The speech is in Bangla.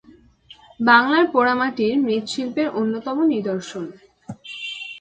বাংলার পোড়ামাটির মৃৎশিল্পের অন্যতম নিদর্শন।